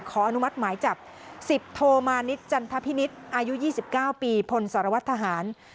อนุมัติหมายจับ๑๐โทมานิดจันทพินิษฐ์อายุ๒๙ปีพลสารวัตรทหาร